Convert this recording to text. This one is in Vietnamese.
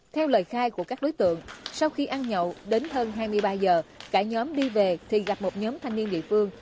theo lời khai của các đối tượng sau khi ăn nhậu đến hơn hai mươi ba giờ cả nhóm đi về thì gặp một nhóm thanh niên địa phương